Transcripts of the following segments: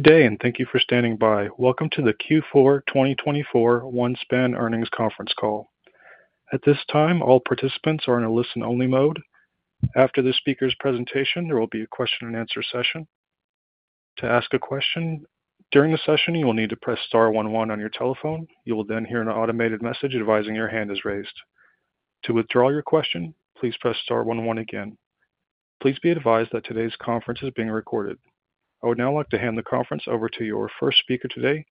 Good day, and thank you for standing by. Welcome to the Q4 2024 OneSpan Earnings Conference Call. At this time, all participants are in a listen-only mode. After this speaker's presentation, there will be a question-and-answer session. To ask a question during the session, you will need to press star one, one on your telephone. You will then hear an automated message advising your hand is raised. To withdraw your question, please press star one, one again. Please be advised that today's conference is being recorded. I would now like to hand the conference over to your first speaker today,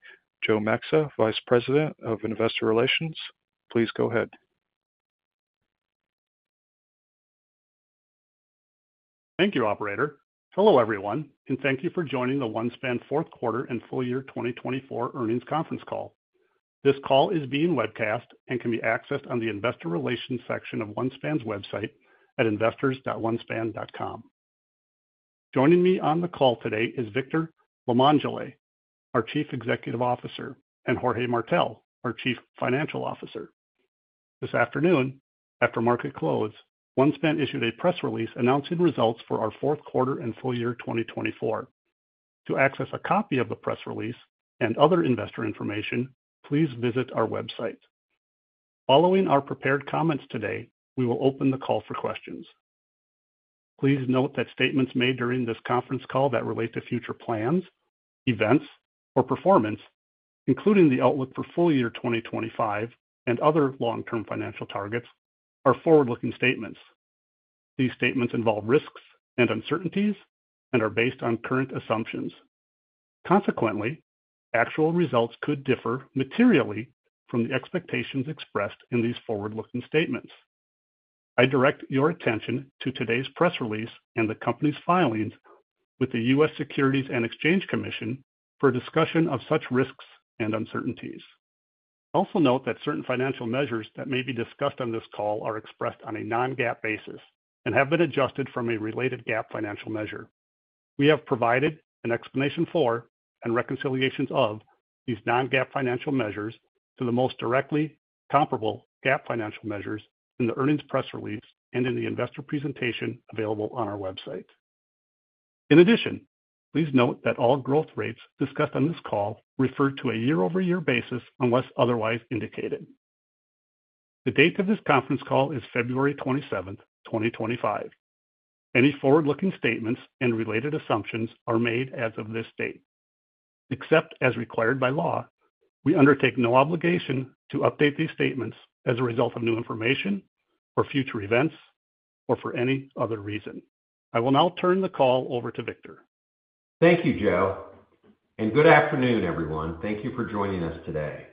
Joe Maxa, Vice President of Investor Relations. Please go ahead. Thank you, Operator. Hello, everyone, and thank you for joining the OneSpan Fourth Quarter and Full Year 2024 Earnings Conference Call. This call is being webcast and can be accessed on the Investor Relations section of OneSpan's website at investors.onespan.com. Joining me on the call today is Victor Limongelli, our Chief Executive Officer, and Jorge Martell, our Chief Financial Officer. This afternoon, after market close, OneSpan issued a press release announcing results for our fourth quarter and full year 2024. To access a copy of the press release and other investor information, please visit our website. Following our prepared comments today, we will open the call for questions. Please note that statements made during this conference call that relate to future plans, events, or performance, including the outlook for full year 2025 and other long-term financial targets, are forward-looking statements. These statements involve risks and uncertainties and are based on current assumptions. Consequently, actual results could differ materially from the expectations expressed in these forward-looking statements. I direct your attention to today's press release and the company's filings with the U.S. Securities and Exchange Commission for discussion of such risks and uncertainties. Also note that certain financial measures that may be discussed on this call are expressed on a non-GAAP basis and have been adjusted from a related GAAP financial measure. We have provided an explanation for and reconciliations of these non-GAAP financial measures to the most directly comparable GAAP financial measures in the earnings press release and in the investor presentation available on our website. In addition, please note that all growth rates discussed on this call refer to a year-over-year basis unless otherwise indicated. The date of this conference call is February 27, 2025. Any forward-looking statements and related assumptions are made as of this date. Except as required by law, we undertake no obligation to update these statements as a result of new information, for future events, or for any other reason. I will now turn the call over to Victor. Thank you, Joe, and good afternoon, everyone. Thank you for joining us today.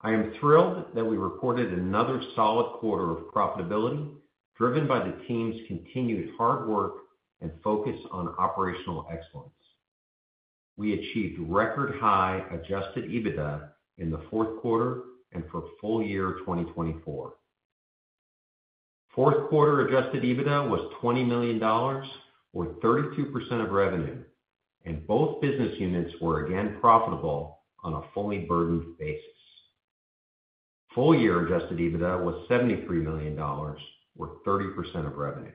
I am thrilled that we recorded another solid quarter of profitability driven by the team's continued hard work and focus on operational excellence. We achieved record-high adjusted EBITDA in the fourth quarter and for full year 2024. Fourth quarter adjusted EBITDA was $20 million, or 32% of revenue, and both business units were again profitable on a fully burdened basis. Full year adjusted EBITDA was $73 million, or 30% of revenue.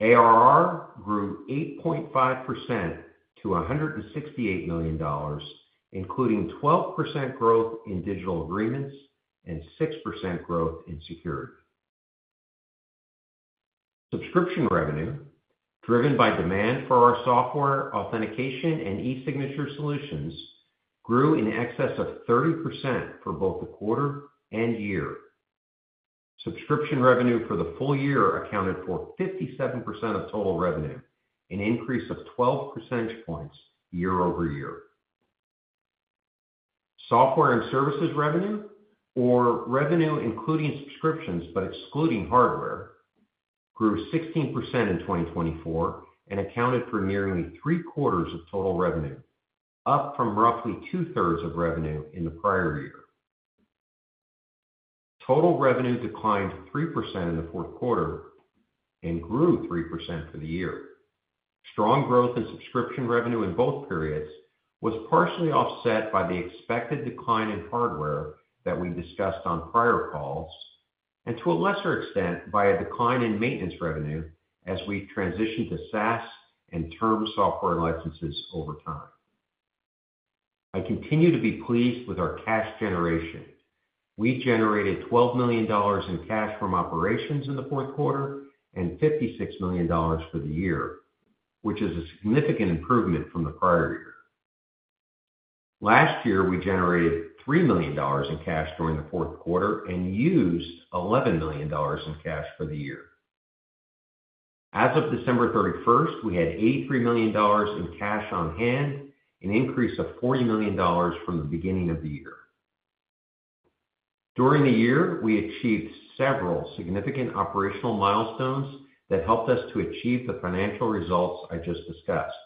ARR grew 8.5% to $168 million, including 12% growth in digital agreements and 6% growth in security. Subscription revenue, driven by demand for our software, authentication, and e-signature solutions, grew in excess of 30% for both the quarter and year. Subscription revenue for the full year accounted for 57% of total revenue, an increase of 12 percentage points year-over-year. Software and services revenue, or revenue including subscriptions but excluding hardware, grew 16% in 2024 and accounted for nearly three-quarters of total revenue, up from roughly two-thirds of revenue in the prior year. Total revenue declined 3% in the fourth quarter and grew 3% for the year. Strong growth in subscription revenue in both periods was partially offset by the expected decline in hardware that we discussed on prior calls and, to a lesser extent, by a decline in maintenance revenue as we transitioned to SaaS and term software licenses over time. I continue to be pleased with our cash generation. We generated $12 million in cash from operations in the fourth quarter and $56 million for the year, which is a significant improvement from the prior year. Last year, we generated $3 million in cash during the fourth quarter and used $11 million in cash for the year. As of December 31, we had $83 million in cash on hand, an increase of $40 million from the beginning of the year. During the year, we achieved several significant operational milestones that helped us to achieve the financial results I just discussed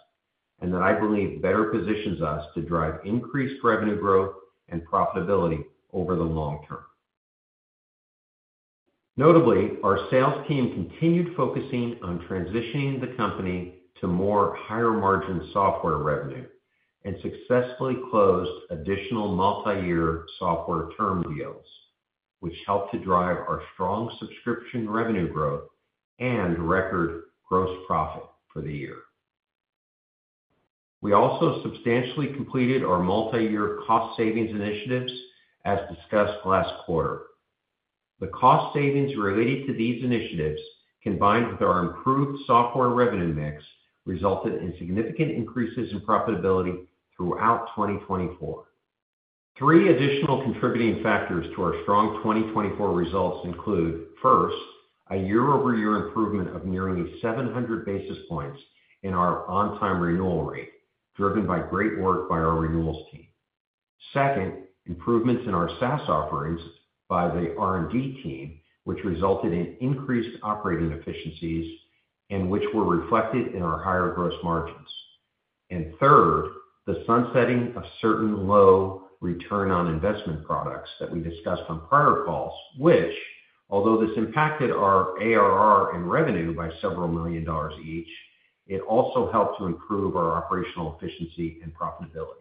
and that I believe better positions us to drive increased revenue growth and profitability over the long term. Notably, our sales team continued focusing on transitioning the company to more higher-margin software revenue and successfully closed additional multi-year software term deals, which helped to drive our strong subscription revenue growth and record gross profit for the year. We also substantially completed our multi-year cost savings initiatives, as discussed last quarter. The cost savings related to these initiatives, combined with our improved software revenue mix, resulted in significant increases in profitability throughout 2024. Three additional contributing factors to our strong 2024 results include, first, a year-over-year improvement of nearly 700 basis points in our on-time renewal rate, driven by great work by our renewals team. Second, improvements in our SaaS offerings by the R&D team, which resulted in increased operating efficiencies and which were reflected in our higher gross margins. Third, the sunsetting of certain low return on investment products that we discussed on prior calls, which, although this impacted our ARR and revenue by several million dollars each, it also helped to improve our operational efficiency and profitability.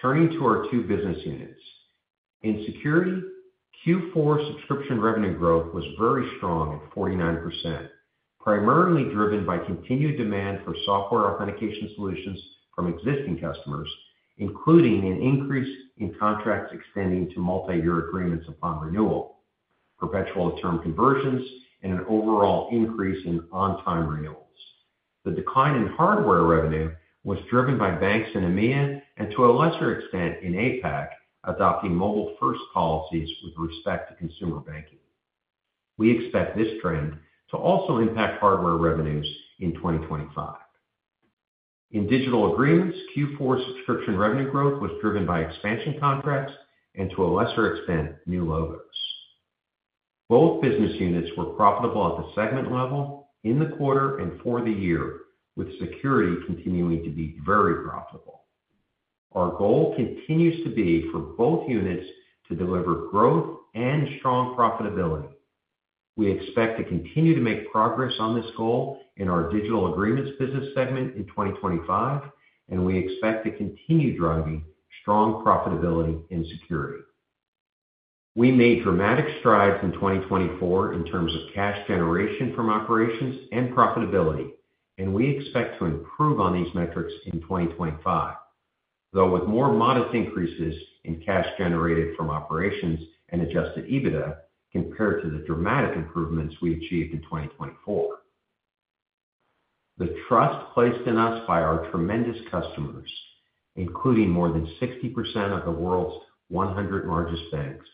Turning to our two business units, in security, Q4 subscription revenue growth was very strong at 49%, primarily driven by continued demand for software authentication solutions from existing customers, including an increase in contracts extending to multi-year agreements upon renewal, perpetual term conversions, and an overall increase in on-time renewals. The decline in hardware revenue was driven by banks in EMEA and, to a lesser extent, in APAC, adopting mobile-first policies with respect to consumer banking. We expect this trend to also impact hardware revenues in 2025. In digital agreements, Q4 subscription revenue growth was driven by expansion contracts and, to a lesser extent, new logos. Both business units were profitable at the segment level, in the quarter, and for the year, with security continuing to be very profitable. Our goal continues to be for both units to deliver growth and strong profitability. We expect to continue to make progress on this goal in our digital agreements business segment in 2025, and we expect to continue driving strong profitability in security. We made dramatic strides in 2024 in terms of cash generation from operations and profitability, and we expect to improve on these metrics in 2025, though with more modest increases in cash generated from operations and adjusted EBITDA compared to the dramatic improvements we achieved in 2024. The trust placed in us by our tremendous customers, including more than 60% of the world's 100 largest banks,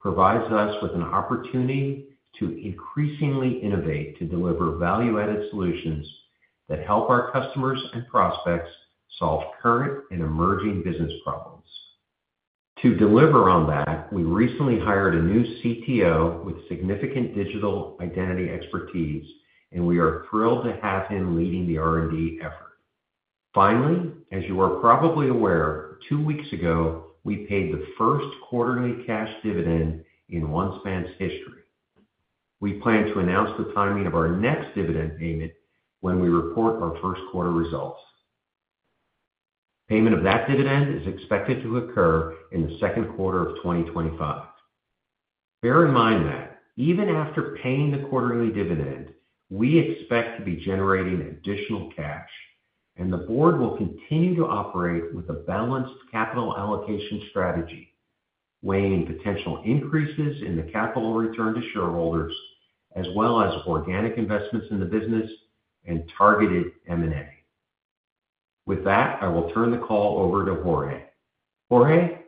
provides us with an opportunity to increasingly innovate to deliver value-added solutions that help our customers and prospects solve current and emerging business problems. To deliver on that, we recently hired a new CTO with significant digital identity expertise, and we are thrilled to have him leading the R&D effort. Finally, as you are probably aware, two weeks ago, we paid the first quarterly cash dividend in OneSpan's history. We plan to announce the timing of our next dividend payment when we report our first quarter results. Payment of that dividend is expected to occur in the second quarter of 2025. Bear in mind that even after paying the quarterly dividend, we expect to be generating additional cash, and the board will continue to operate with a balanced capital allocation strategy, weighing potential increases in the capital return to shareholders, as well as organic investments in the business and targeted M&A. With that, I will turn the call over to Jorge. Jorge.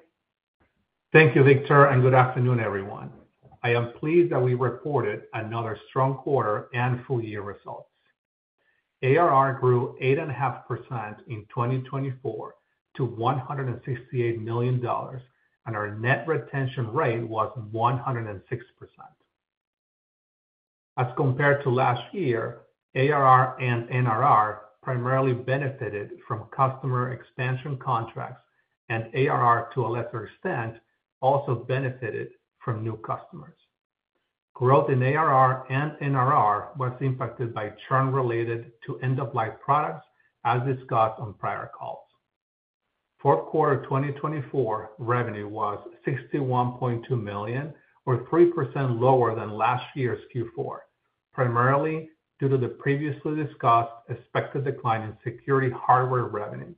Thank you, Victor, and good afternoon, everyone. I am pleased that we reported another strong quarter and full year results. ARR grew 8.5% in 2024 to $168 million, and our net retention rate was 106%. As compared to last year, ARR and NRR primarily benefited from customer expansion contracts, and ARR, to a lesser extent, also benefited from new customers. Growth in ARR and NRR was impacted by churn related to end-of-life products, as discussed on prior calls. Fourth quarter 2024 revenue was $61.2 million, or 3% lower than last year's Q4, primarily due to the previously discussed expected decline in security hardware revenue.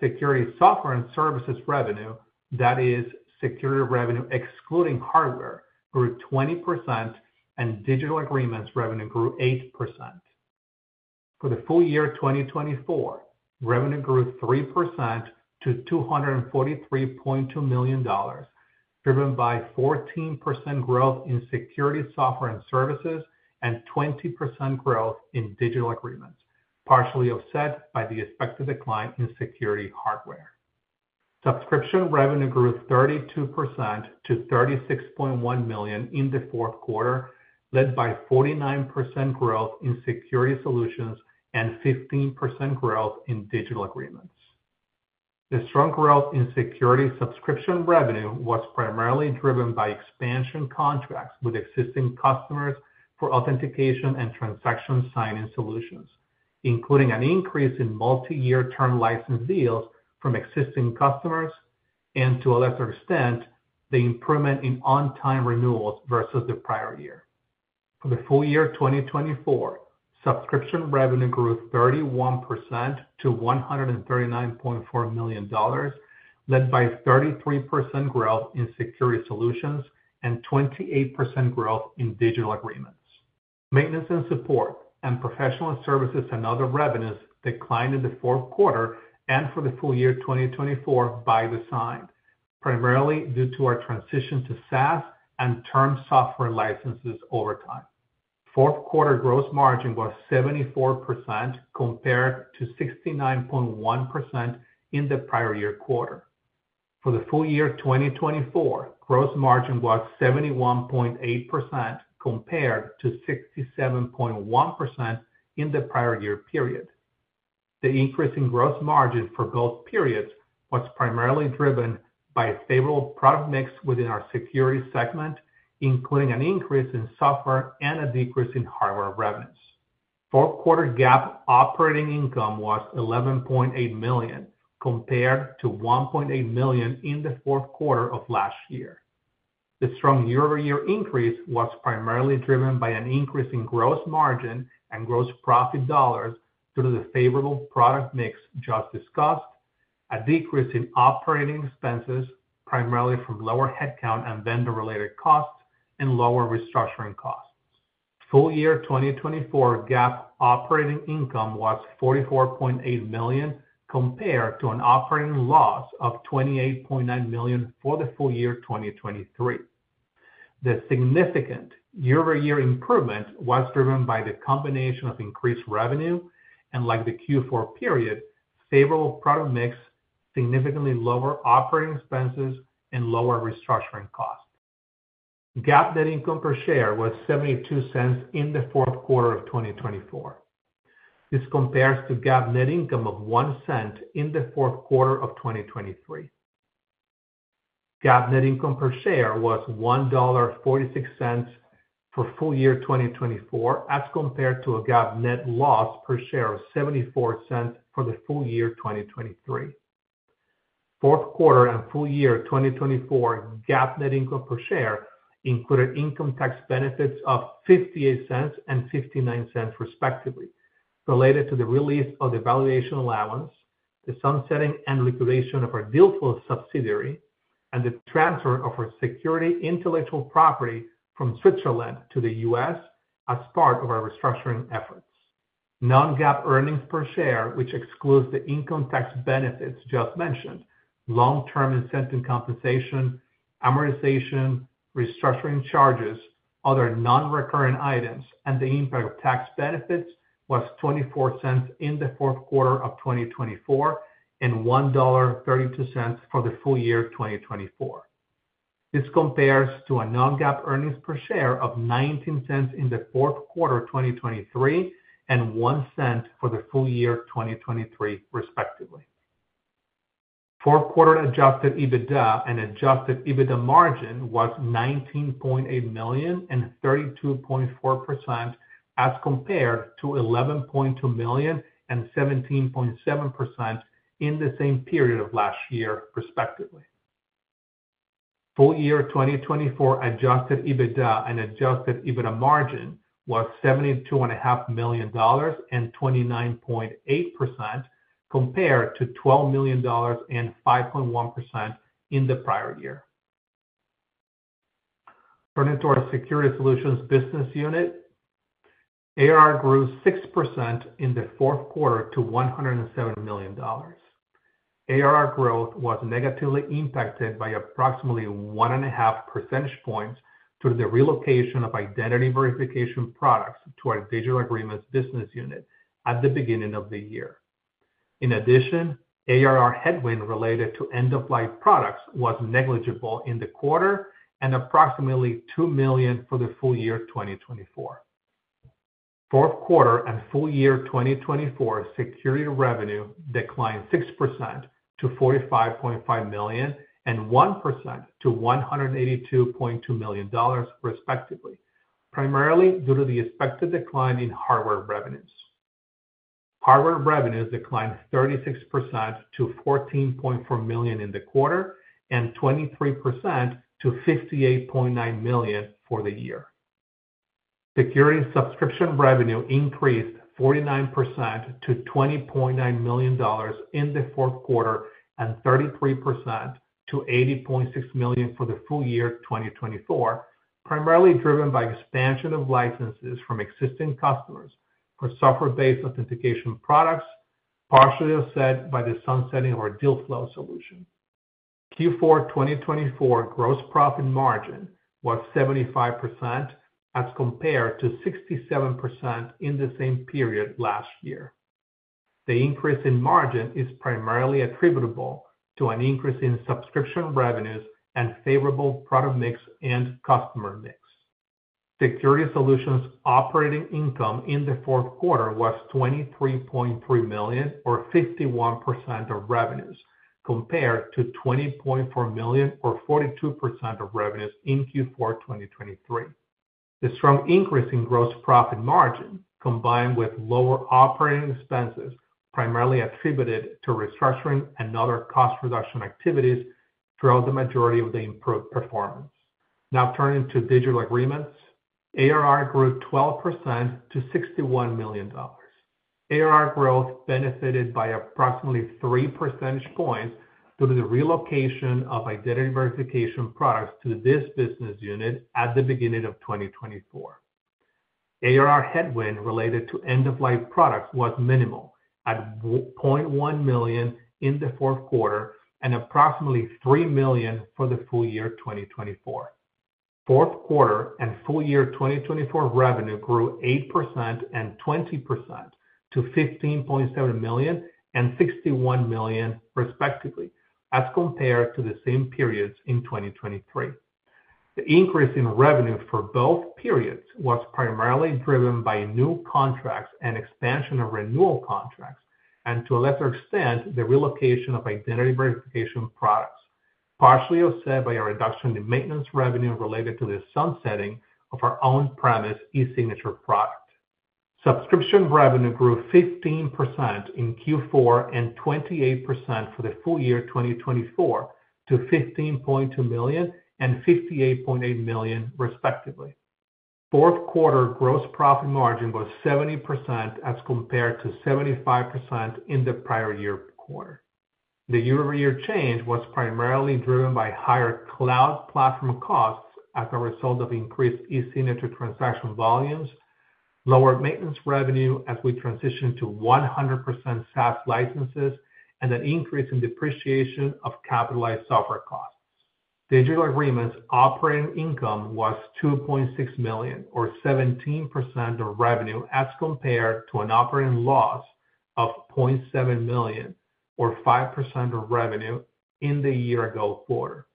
Security software and services revenue, that is, security revenue excluding hardware, grew 20%, and digital agreements revenue grew 8%. For the full year 2024, revenue grew 3% to $243.2 million, driven by 14% growth in security software and services and 20% growth in digital agreements, partially offset by the expected decline in security hardware. Subscription revenue grew 32% to $36.1 million in the fourth quarter, led by 49% growth in security solutions and 15% growth in digital agreements. The strong growth in security subscription revenue was primarily driven by expansion contracts with existing customers for authentication and transaction signing solutions, including an increase in multi-year term license deals from existing customers and, to a lesser extent, the improvement in on-time renewals versus the prior year. For the full year 2024, subscription revenue grew 31% to $139.4 million, led by 33% growth in security solutions and 28% growth in digital agreements. Maintenance and support and professional services and other revenues declined in the fourth quarter and for the full year 2024 by the sign, primarily due to our transition to SaaS and term software licenses over time. Fourth quarter gross margin was 74% compared to 69.1% in the prior year quarter. For the full year 2024, gross margin was 71.8% compared to 67.1% in the prior year period. The increase in gross margin for both periods was primarily driven by a favorable product mix within our security segment, including an increase in software and a decrease in hardware revenues. Fourth quarter GAAP operating income was $11.8 million compared to $1.8 million in the fourth quarter of last year. The strong year-over-year increase was primarily driven by an increase in gross margin and gross profit dollars due to the favorable product mix just discussed, a decrease in operating expenses, primarily from lower headcount and vendor-related costs, and lower restructuring costs. Full year 2024 GAAP operating income was $44.8 million compared to an operating loss of $28.9 million for the full year 2023. The significant year-over-year improvement was driven by the combination of increased revenue and, like the Q4 period, favorable product mix, significantly lower operating expenses, and lower restructuring costs. GAAP net income per share was $0.72 in the fourth quarter of 2024. This compares to GAAP net income of $0.01 in the fourth quarter of 2023. GAAP net income per share was $1.46 for full year 2024, as compared to a GAAP net loss per share of $0.74 for the full year 2023. Fourth quarter and full year 2024 GAAP net income per share included income tax benefits of $0.58 and $0.59, respectively, related to the release of the valuation allowance, the sunsetting and liquidation of our Deal Flow subsidiary, and the transfer of our security intellectual property from Switzerland to the U.S. as part of our restructuring efforts. Non-GAAP earnings per share, which excludes the income tax benefits just mentioned, long-term incentive compensation, amortization, restructuring charges, other non-recurring items, and the impact of tax benefits, was $0.24 in the fourth quarter of 2024 and $1.32 for the full year 2024. This compares to a non-GAAP earnings per share of $0.19 in the fourth quarter 2023 and $0.01 for the full year 2023, respectively. Fourth quarter adjusted EBITDA and adjusted EBITDA margin was $19.8 million and 32.4%, as compared to $11.2 million and 17.7% in the same period of last year, respectively. Full year 2024 adjusted EBITDA and adjusted EBITDA margin was $72.5 million and 29.8%, compared to $12 million and 5.1% in the prior year. Turning to our Security Solutions business unit, ARR grew 6% in the fourth quarter to $107 million. ARR growth was negatively impacted by approximately 1.5 percentage points due to the relocation of identity verification products to our Digital Agreements business unit at the beginning of the year. In addition, ARR headwind related to end-of-life products was negligible in the quarter and approximately $2 million for the full year 2024. Fourth quarter and full year 2024 Security revenue declined 6% to $45.5 million and 1% to $182.2 million, respectively, primarily due to the expected decline in hardware revenues. Hardware revenues declined 36% to $14.4 million in the quarter and 23% to $58.9 million for the year. Security subscription revenue increased 49% to $20.9 million in the fourth quarter and 33% to $80.6 million for the full year 2024, primarily driven by expansion of licenses from existing customers for software-based authentication products, partially offset by the sunsetting of our Deal Flow solution. Q4 2024 gross profit margin was 75%, as compared to 67% in the same period last year. The increase in margin is primarily attributable to an increase in subscription revenues and favorable product mix and customer mix. Security Solutions operating income in the fourth quarter was $23.3 million, or 51% of revenues, compared to $20.4 million, or 42% of revenues in Q4 2023. The strong increase in gross profit margin, combined with lower operating expenses, primarily attributed to restructuring and other cost reduction activities, drove the majority of the improved performance. Now turning to digital agreements, ARR grew 12% to $61 million. ARR growth benefited by approximately 3 percentage points due to the relocation of identity verification products to this business unit at the beginning of 2024. ARR headwind related to end-of-life products was minimal, at $0.1 million in the fourth quarter and approximately $3 million for the full year 2024. Fourth quarter and full year 2024 revenue grew 8% and 20% to $15.7 million and $61 million, respectively, as compared to the same periods in 2023. The increase in revenue for both periods was primarily driven by new contracts and expansion of renewal contracts, and to a lesser extent, the relocation of identity verification products, partially offset by a reduction in maintenance revenue related to the sunsetting of our on-premise e-signature product. Subscription revenue grew 15% in Q4 and 28% for the full year 2024 to $15.2 million and $58.8 million, respectively. Fourth quarter gross profit margin was 70%, as compared to 75% in the prior year quarter. The year-over-year change was primarily driven by higher cloud platform costs as a result of increased e-signature transaction volumes, lower maintenance revenue as we transitioned to 100% SaaS licenses, and an increase in depreciation of capitalized software costs. Digital Agreements operating income was $2.6 million, or 17% of revenue, as compared to an operating loss of $0.7 million, or 5% of revenue in the year-ago quarter.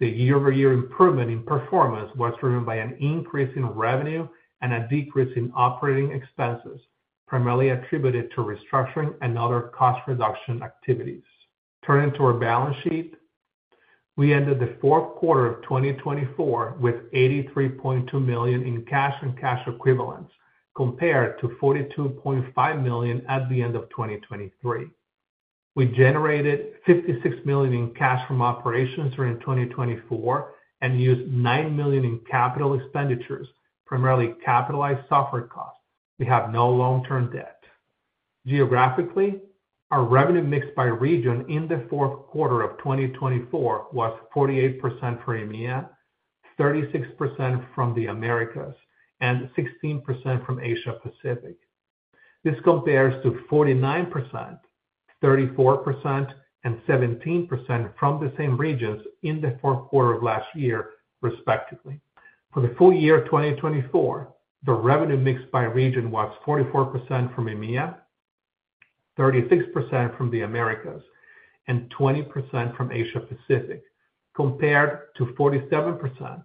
The year-over-year improvement in performance was driven by an increase in revenue and a decrease in operating expenses, primarily attributed to restructuring and other cost reduction activities. Turning to our balance sheet, we ended the fourth quarter of 2024 with $83.2 million in cash and cash equivalents, compared to $42.5 million at the end of 2023. We generated $56 million in cash from operations during 2024 and used $9 million in capital expenditures, primarily capitalized software costs. We have no long-term debt. Geographically, our revenue mix by region in the fourth quarter of 2024 was 48% for EMEA, 36% from the Americas, and 16% from Asia-Pacific. This compares to 49%, 34%, and 17% from the same regions in the fourth quarter of last year, respectively. For the full year 2024, the revenue mix by region was 44% from EMEA, 36% from the Americas, and 20% from Asia-Pacific, compared to 47%,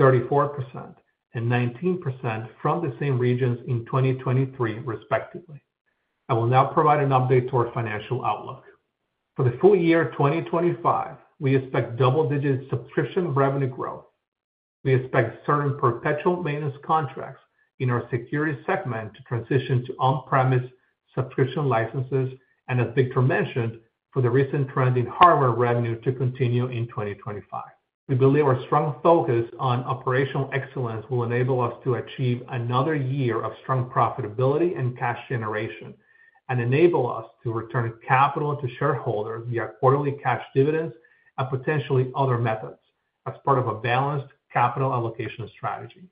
34%, and 19% from the same regions in 2023, respectively. I will now provide an update to our financial outlook. For the full year 2025, we expect double-digit subscription revenue growth. We expect certain perpetual maintenance contracts in our security segment to transition to on-premise subscription licenses, and as Victor mentioned, for the recent trend in hardware revenue to continue in 2025. We believe our strong focus on operational excellence will enable us to achieve another year of strong profitability and cash generation and enable us to return capital to shareholders via quarterly cash dividends and potentially other methods as part of a balanced capital allocation strategy.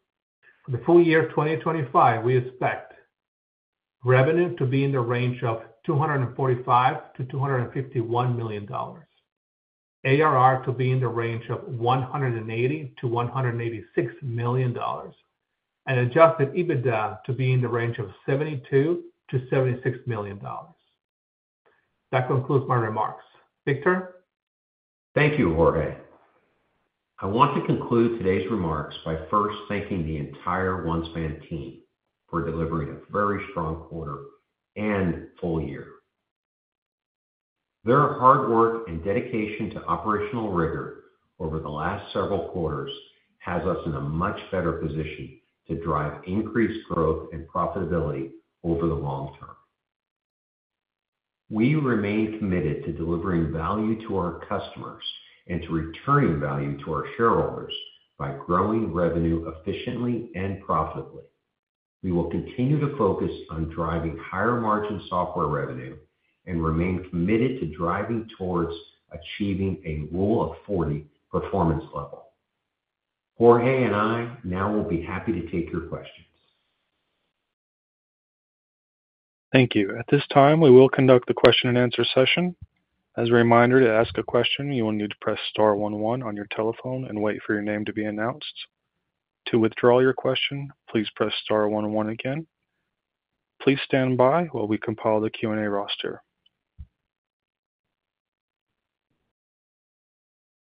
For the full year 2025, we expect revenue to be in the range of $245 million-$251 million, ARR to be in the range of $180 million-$186 million, and adjusted EBITDA to be in the range of $72 million-$76 million. That concludes my remarks. Victor? Thank you, Jorge. I want to conclude today's remarks by first thanking the entire OneSpan team for delivering a very strong quarter and full year. Their hard work and dedication to operational rigor over the last several quarters has us in a much better position to drive increased growth and profitability over the long term. We remain committed to delivering value to our customers and to returning value to our shareholders by growing revenue efficiently and profitably. We will continue to focus on driving higher margin software revenue and remain committed to driving towards achieving a Rule of 40 performance level. Jorge and I now will be happy to take your questions. Thank you. At this time, we will conduct the question-and-answer session. As a reminder, to ask a question, you will need to press star one, one on your telephone and wait for your name to be announced. To withdraw your question, please press star one, one again. Please stand by while we compile the Q&A roster.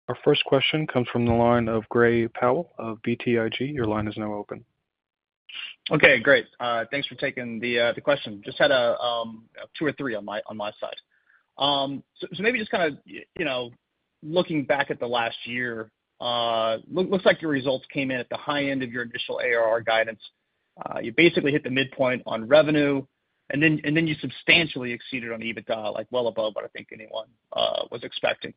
Our first question comes from the line of Gray Powell of BTIG. Your line is now open. Okay, great. Thanks for taking the question. Just had two or three on my side. Maybe just kind of looking back at the last year, it looks like your results came in at the high end of your initial ARR guidance. You basically hit the midpoint on revenue, and then you substantially exceeded on EBITDA, like well above what I think anyone was expecting.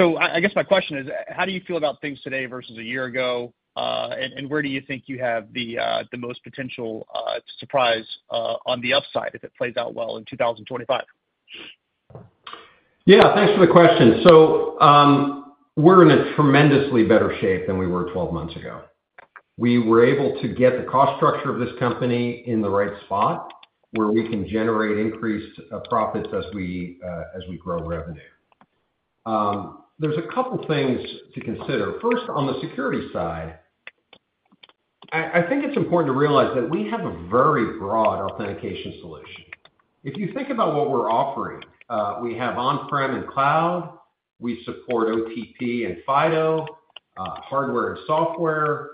I guess my question is, how do you feel about things today versus a year ago, and where do you think you have the most potential surprise on the upside if it plays out well in 2025? Yeah, thanks for the question. We're in a tremendously better shape than we were 12 months ago. We were able to get the cost structure of this company in the right spot where we can generate increased profits as we grow revenue. There's a couple of things to consider. First, on the security side, I think it's important to realize that we have a very broad authentication solution. If you think about what we're offering, we have on-prem and cloud. We support OTP and FIDO, hardware and software,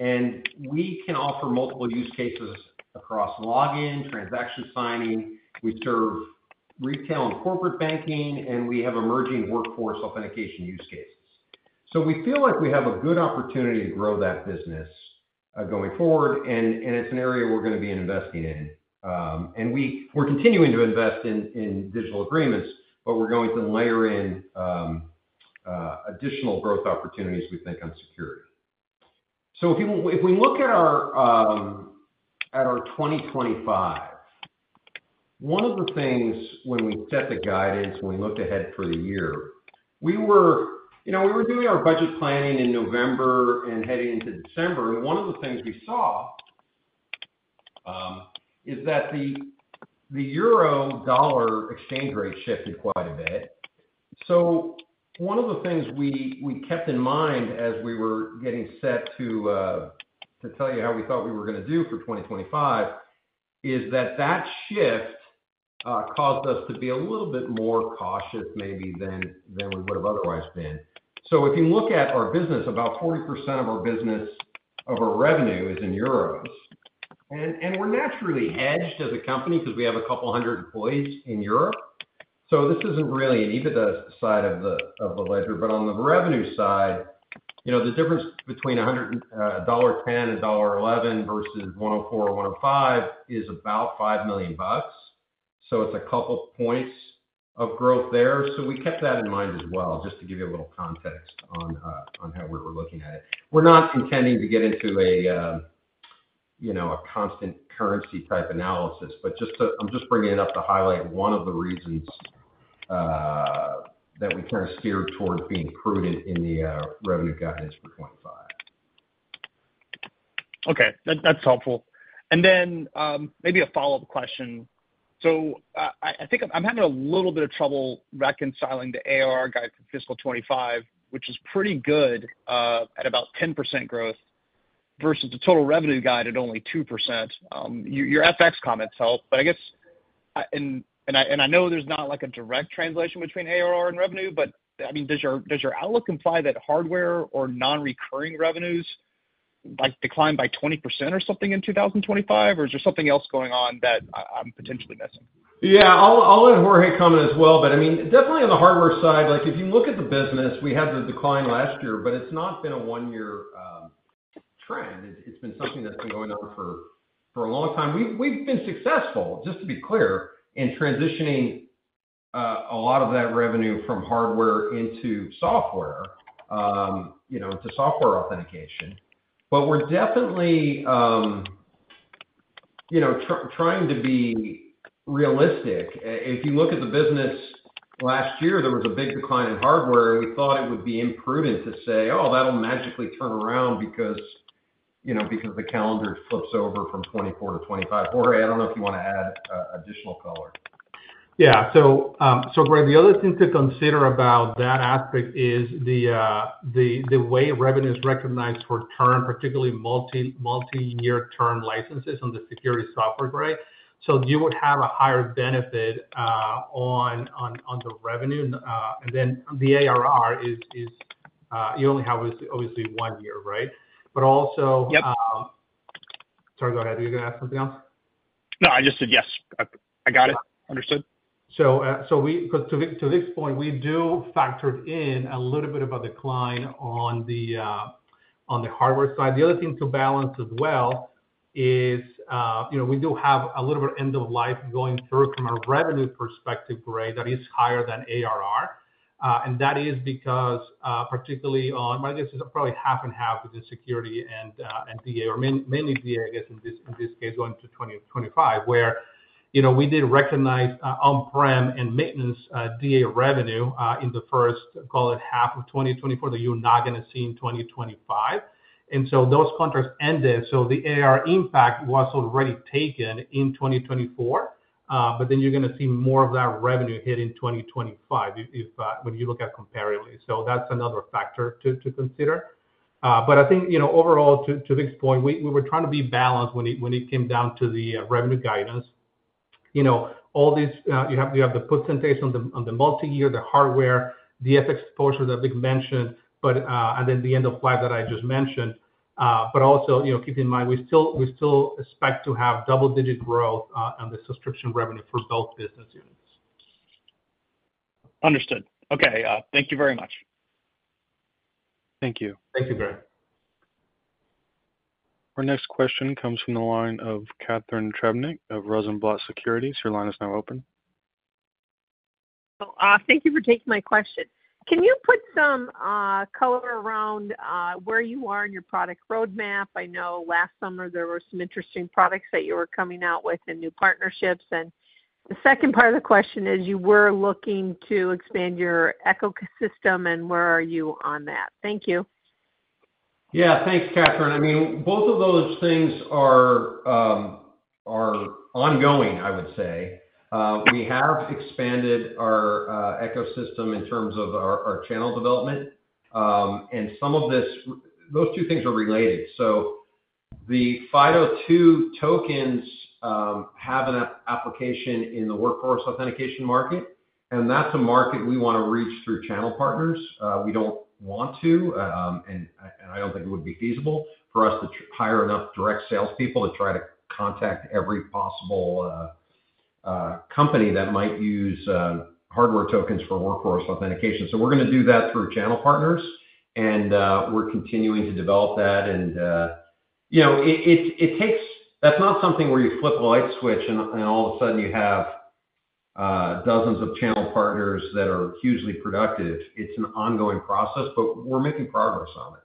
and we can offer multiple use cases across login, transaction signing. We serve retail and corporate banking, and we have emerging workforce authentication use cases. We feel like we have a good opportunity to grow that business going forward, and it is an area we are going to be investing in. We are continuing to invest in digital agreements, but we are going to layer in additional growth opportunities, we think, on security. If we look at our 2025, one of the things when we set the guidance, when we looked ahead for the year, we were doing our budget planning in November and heading into December, and one of the things we saw is that the EURO/$ exchange rate shifted quite a bit. One of the things we kept in mind as we were getting set to tell you how we thought we were going to do for 2025 is that that shift caused us to be a little bit more cautious maybe than we would have otherwise been. If you look at our business, about 40% of our revenue is in EUROs, and we're naturally hedged as a company because we have a couple hundred employees in Europe. This isn't really an EBITDA side of the ledger, but on the revenue side, the difference between $110 and $111 versus 104 or 105 is about $5 million. It's a couple points of growth there. We kept that in mind as well, just to give you a little context on how we were looking at it. We're not intending to get into a constant currency type analysis, but I'm just bringing it up to highlight one of the reasons that we kind of steered towards being prudent in the revenue guidance for 2025. Okay, that's helpful. Maybe a follow-up question. I think I'm having a little bit of trouble reconciling the ARR guide for fiscal 2025, which is pretty good at about 10% growth versus the total revenue guide at only 2%. Your FX comments help, but I guess, and I know there's not a direct translation between ARR and revenue, but I mean, does your outlook imply that hardware or non-recurring revenues might decline by 20% or something in 2025, or is there something else going on that I'm potentially missing? Yeah, I'll let Jorge comment as well, but I mean, definitely on the hardware side, if you look at the business, we had the decline last year, but it's not been a one-year trend. It's been something that's been going on for a long time. We've been successful, just to be clear, in transitioning a lot of that revenue from hardware into software, into software authentication, but we're definitely trying to be realistic. If you look at the business last year, there was a big decline in hardware, and we thought it would be imprudent to say, "Oh, that'll magically turn around because the calendar flips over from 2024 to 2025." Jorge, I don't know if you want to add additional color. Yeah. The other thing to consider about that aspect is the way revenue is recognized for term, particularly multi-year term licenses on the security software, right? You would have a higher benefit on the revenue. The ARR, you only have obviously one year, right? Also, sorry, go ahead. Are you going to add something else? No, I just said yes. I got it. Understood. To this point, we do factor in a little bit of a decline on the hardware side. The other thing to balance as well is we do have a little bit of end-of-life going through from a revenue perspective, Gray, that is higher than ARR. That is because, particularly on, I guess, it's probably half and half with the security and DA, or mainly DA, I guess, in this case going to 2025, where we did recognize on-prem and maintenance DA revenue in the first, call it, half of 2024 that you're not going to see in 2025. Those contracts ended. The AR impact was already taken in 2024, but then you're going to see more of that revenue hit in 2025 when you look at comparatively. That's another factor to consider. I think overall, to Vic's point, we were trying to be balanced when it came down to the revenue guidance. All these, you have the percentage on the multi-year, the hardware, the FX exposure that Vic mentioned, and then the end-of-life that I just mentioned. Also keep in mind, we still expect to have double-digit growth on the subscription revenue for both business units. Understood. Okay. Thank you very much. Thank you. Thank you, Gray. Our next question comes from the line of Catharine Trebenic of Rosenblatt Securities. Your line is now open. Thank you for taking my question. Can you put some color around where you are in your product roadmap? I know last summer there were some interesting products that you were coming out with and new partnerships. The second part of the question is you were looking to expand your ecosystem, and where are you on that? Thank you. Yeah, thanks, Catharine. I mean, both of those things are ongoing, I would say. We have expanded our ecosystem in terms of our channel development, and some of those two things are related. The FIDO2 tokens have an application in the workforce authentication market, and that's a market we want to reach through channel partners. We do not want to, and I do not think it would be feasible for us to hire enough direct salespeople to try to contact every possible company that might use hardware tokens for workforce authentication. We are going to do that through channel partners, and we are continuing to develop that. It takes—that's not something where you flip a light switch and all of a sudden you have dozens of channel partners that are hugely productive. It's an ongoing process, but we're making progress on it.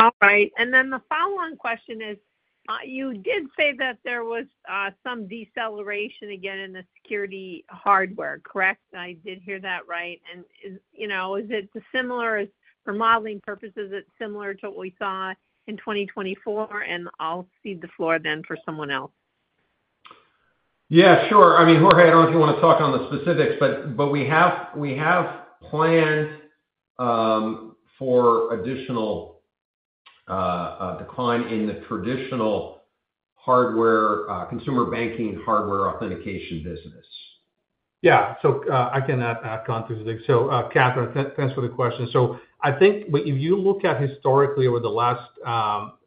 All right. The following question is, you did say that there was some deceleration again in the security hardware, correct? I did hear that right. Is it similar for modeling purposes? Is it similar to what we saw in 2024? I'll cede the floor then for someone else. Yeah, sure. I mean, Jorge, I don't know if you want to talk on the specifics, but we have planned for additional decline in the traditional consumer banking hardware authentication business. Yeah. I can add content to this. Catharine, thanks for the question. I think if you look at historically over the last,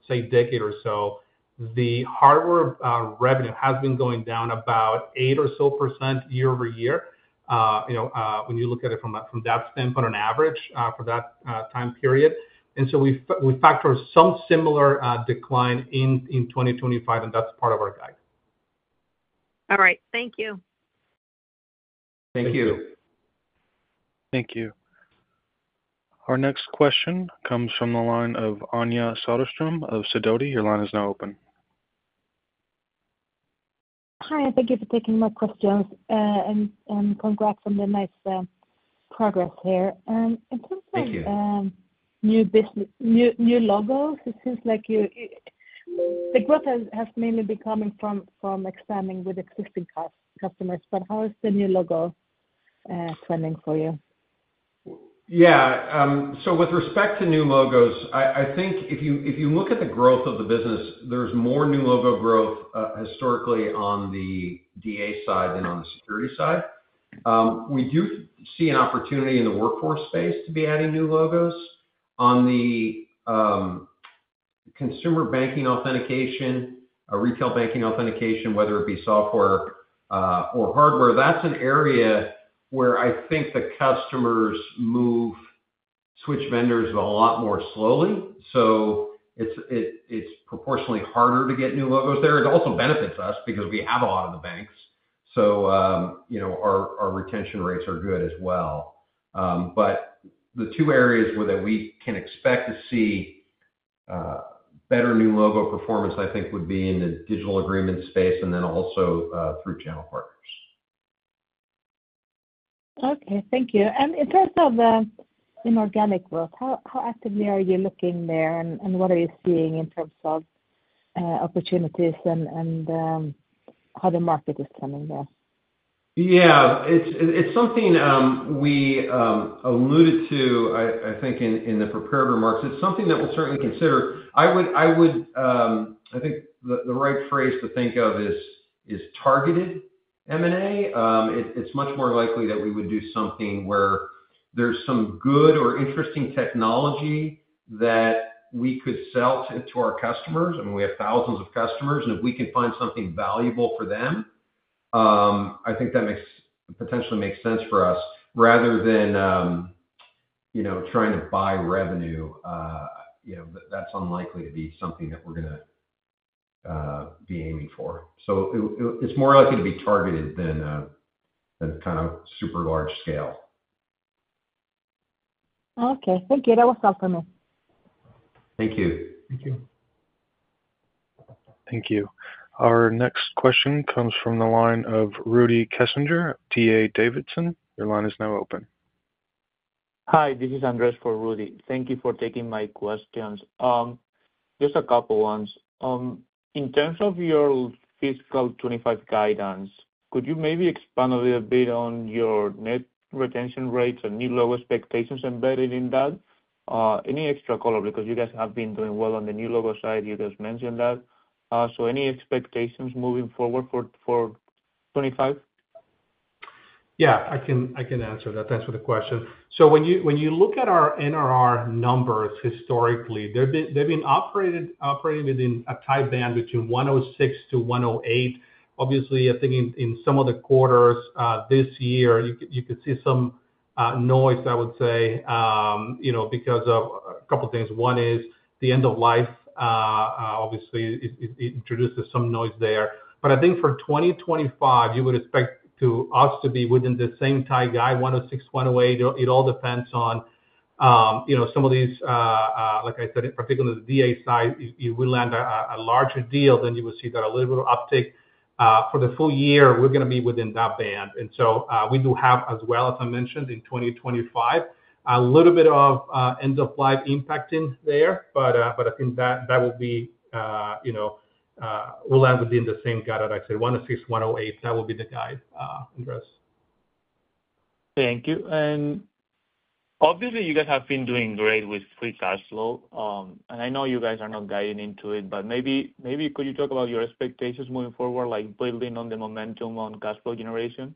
say, decade or so, the hardware revenue has been going down about 8% or so year over year when you look at it from that standpoint on average for that time period. We factor some similar decline in 2025, and that's part of our guide. All right. Thank you. Thank you. Thank you. Our next question comes from the line of Anja Soderstrom of Sidoti. Your line is now open. Hi. Thank you for taking my questions and congrats on the nice progress here. Thank you. In terms of new logos, it seems like the growth has mainly been coming from expanding with existing customers. How is the new logo trending for you? Yeah. With respect to new logos, I think if you look at the growth of the business, there's more new logo growth historically on the DA side than on the security side. We do see an opportunity in the workforce space to be adding new logos. On the consumer banking authentication, retail banking authentication, whether it be software or hardware, that's an area where I think the customers move, switch vendors a lot more slowly. It is proportionally harder to get new logos there. It also benefits us because we have a lot of the banks. Our retention rates are good as well. The two areas that we can expect to see better new logo performance, I think, would be in the digital agreement space and then also through channel partners. Thank you. In terms of inorganic growth, how actively are you looking there and what are you seeing in terms of opportunities and how the market is coming there? Yeah. It's something we alluded to, I think, in the preparatory marks. It's something that we'll certainly consider. I think the right phrase to think of is targeted M&A. It's much more likely that we would do something where there's some good or interesting technology that we could sell to our customers. I mean, we have thousands of customers, and if we can find something valuable for them, I think that potentially makes sense for us rather than trying to buy revenue. That's unlikely to be something that we're going to be aiming for. It is more likely to be targeted than kind of super large scale. Okay. Thank you. That was helpful. Thank you. Thank you. Thank you. Our next question comes from the line of Rudy Kessinger, D.A. Davidson. Your line is now open. Hi. This is Andres for Rudy. Thank you for taking my questions. Just a couple of ones. In terms of your fiscal 2025 guidance, could you maybe expand a little bit on your net retention rates and new logo expectations embedded in that? Any extra color? You guys have been doing well on the new logo side. You just mentioned that. Any expectations moving forward for 2025? Yeah. I can answer that. That is the question. When you look at our NRR numbers historically, they have been operating within a tight band between 106-108. Obviously, I think in some of the quarters this year, you could see some noise, I would say, because of a couple of things. One is the end-of-life, obviously, introduced some noise there. I think for 2025, you would expect us to be within the same tight guide, 106-108. It all depends on some of these, like I said, particularly the DA side. You will land a larger deal, then you will see that a little bit of uptake. For the full year, we're going to be within that band. We do have, as well, as I mentioned, in 2025, a little bit of end-of-life impacting there, but I think that will be we'll land within the same guide, like I said, 106-108. That would be the guide, Andres. Thank you. Obviously, you guys have been doing great with free cash flow. I know you guys are not guiding into it, but maybe could you talk about your expectations moving forward, like building on the momentum on cash flow generation?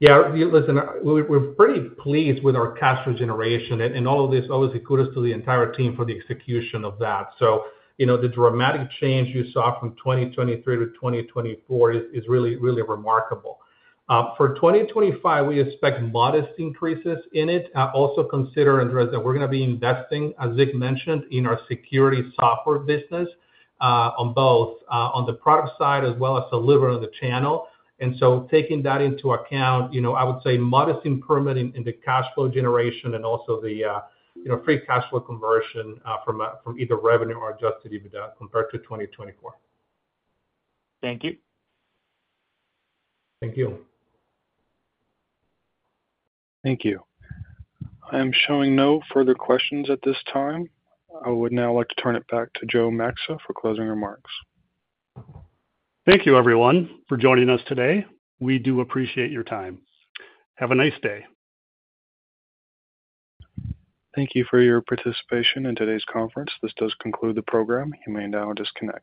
Yeah. Listen, we're pretty pleased with our cash flow generation, and all of this obviously kudos to the entire team for the execution of that. The dramatic change you saw from 2023-2024 is really remarkable. For 2025, we expect modest increases in it. Also consider, Andres, that we're going to be investing, as Vic mentioned, in our security software business on both on the product side as well as delivering on the channel. Taking that into account, I would say modest improvement in the cash flow generation and also the free cash flow conversion from either revenue or adjusted EBITDA compared to 2024. Thank you. Thank you. Thank you. I am showing no further questions at this time. I would now like to turn it back to Joe Maxa for closing remarks. Thank you, everyone, for joining us today. We do appreciate your time. Have a nice day. Thank you for your participation in today's conference. This does conclude the program. You may now disconnect.